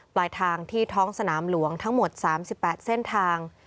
ปลายทางที่ท้องสนามหลวงทั้งหมด๓๘เส้นทาง